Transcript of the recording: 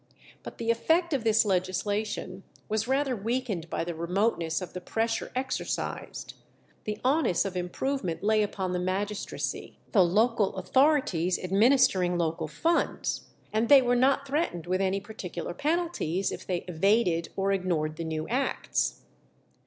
But the effect of this legislation was rather weakened by the remoteness of the pressure exercised. The onus of improvement lay upon the magistracy, the local authorities administering local funds, and they were not threatened with any particular penalties if they evaded or ignored the new acts.